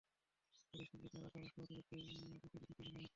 পরে শিল্পী তাঁর আঁকা রাষ্ট্রপতির একটি প্রতিকৃতি তুলে দেন রাষ্ট্রপতির হাতে।